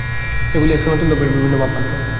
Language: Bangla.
এগুলি এক সনাতন ধর্মেরই বিভিন্ন ভাবমাত্র।